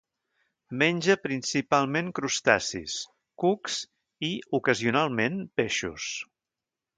Menja principalment crustacis, cucs i, ocasionalment, peixos.